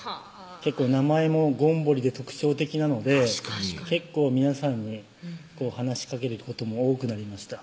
結構名前も権堀で特徴的なので確かに皆さんに話しかけられることも多くなりました